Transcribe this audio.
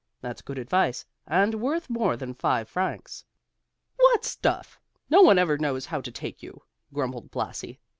That's good advice and worth more than five francs. "What stuff! No one ever knows how to take you," grumbled Blasi.